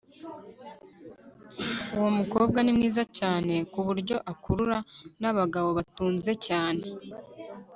uwo mukobwa ni mwiza cyane kuburyo akurura nabagabo batunze cyane